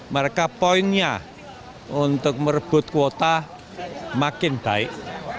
mereka poinnya untuk merebut kuota makin baik